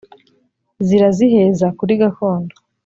ziraziheza kuri gakondo